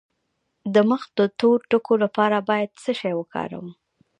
د مخ د تور ټکو لپاره باید څه شی وکاروم؟